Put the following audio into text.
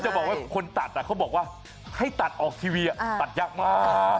บอกว่าคนตัดเขาบอกว่าให้ตัดออกทีวีตัดยากมาก